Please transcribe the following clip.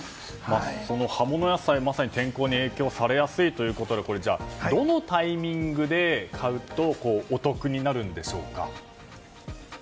その葉物野菜、まさに天候に影響されやすいということでじゃあ、どのタイミングで買うとお得になるんでしょうか。